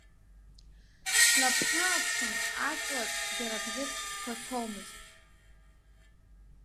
Снаԥш-ааԥшын, аҵлаҿ џьара бӷьыцк қәацомызт.